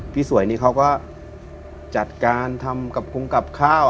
สวยนี่เขาก็จัดการทำกับกุ้งกับข้าว